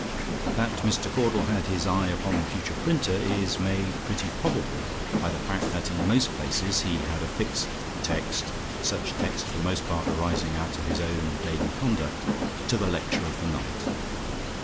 That Mr. Caudle had his eye upon the future printer, is made pretty probable by the fact that in most places he had affixed the text such text for the most part arising out of his own daily conduct to the lecture of the night.